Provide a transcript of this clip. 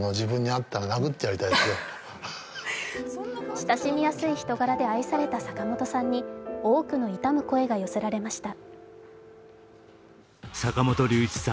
親しみやすい人柄で愛された坂本さんに多くの悼む声が寄せられました。